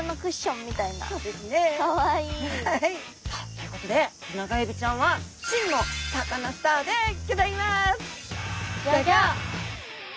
さあということでテナガエビちゃんは真のサカナスターでギョざいます！